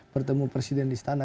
pertemu presiden di stana